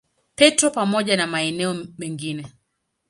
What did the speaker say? Petro pamoja na maeneo mengine.